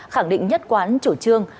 khẳng định nhất quán chủ trương